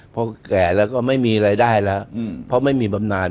เพราะแก่แล้วก็ไม่มีรายได้แล้วเพราะไม่มีบำนาน